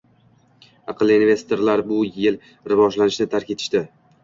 Aqlli investorlar bu yil rivojlanishni tark etishdi